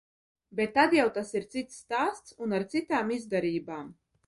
Bet tad jau tas ir cits stāsts un ar citām izdarībām.